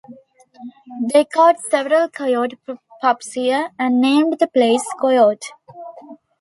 They caught several coyote pups here, and named the place "Coyote".